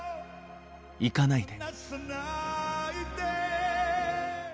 「行かないで」。